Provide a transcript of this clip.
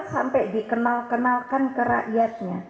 sampai dikenal kenalkan ke rakyatnya